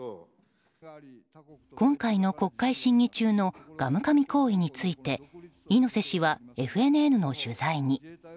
今回の国会審議中のガムかみ行為について猪瀬氏は、ＦＮＮの取材に。